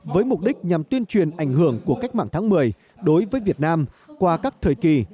với mục đích nhằm tuyên truyền ảnh hưởng của cách mạng tháng một mươi đối với việt nam qua các thời kỳ